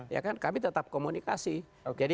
ya kan kami tetap komunikasi jadi